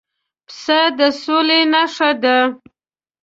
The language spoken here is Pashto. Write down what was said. پسه د سولې نښه ده.